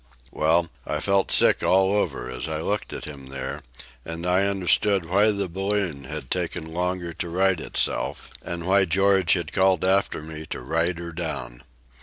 Well, I felt sick all over as I looked at him there, and I understood why the balloon had taken longer to right itself, and why George had called after me to ride her down.